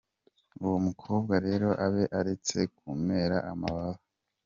Uwo mukobwa rero Abe aretse kumera amababa.